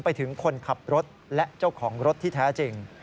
ไปถึงคนขับรถและเจ้าของรถที่แท้จริง